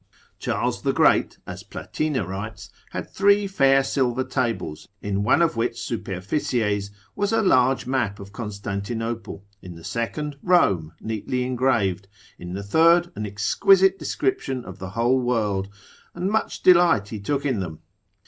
Charles the Great, as Platina writes, had three fair silver tables, in one of which superficies was a large map of Constantinople, in the second Rome neatly engraved, in the third an exquisite description of the whole world, and much delight he took in them.